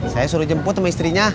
saya suruh jemput sama istrinya